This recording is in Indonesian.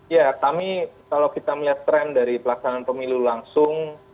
ya kami kalau kita melihat tren dari pelaksanaan pemilu langsung